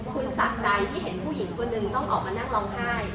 คุณสะใจที่เห็นผู้หญิงคนหนึ่งต้องออกมานั่งร้องไห้